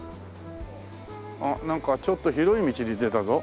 あっなんかちょっと広い道に出たぞ。